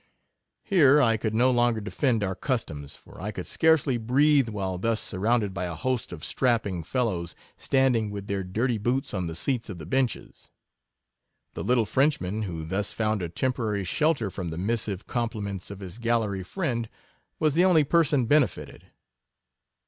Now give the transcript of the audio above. Here I could no longer defend our cus toms, for I could scarcely breathe while thus surrounded by a host of strapping fel lows, standing with their dirty boots on the seats of the benches. The little Frenchman, who thus found a temporary shelter from the missive compliments of his gallery friend, 25 was the only person benefitted.